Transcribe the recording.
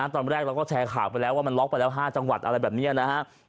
ตอนแรกเราก็แชร์ข่าวไปแล้วว่ามันล็อกไปแล้ว๕จังหวัดอะไรแบบนี้นะครับ